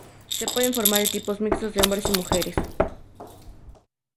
Se pueden formar equipos mixtos de hombres y mujeres.